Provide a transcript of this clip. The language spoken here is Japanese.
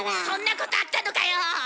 そんなことあったのかよ。